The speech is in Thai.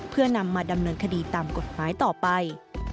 เพื่อนำมาดำเนินคดีตามกฎหมายต่อไป